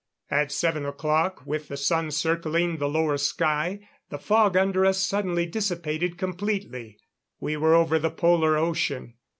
At seven o'clock, with the sun circling the lower sky, the fog under us suddenly dissipated completely. We were over the Polar ocean.